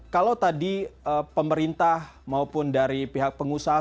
kalau tadi pemerintah maupun dari pihak pengusaha